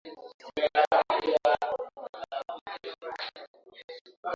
Joseph Rurindo na Jenerali Eugene Nkubito wanatoka kambi ya kijeshi ya Kibungo nchini Rwanda.